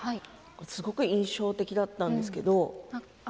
すごく印象的だったんですけれど。